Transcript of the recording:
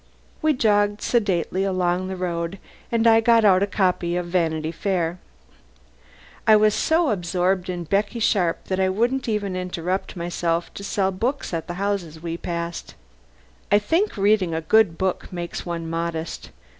We jogged sedately along the road, and I got out a copy of "Vanity Fair." I was so absorbed in Becky Sharp that I wouldn't even interrupt myself to sell books at the houses we passed. I think reading a good book makes one modest.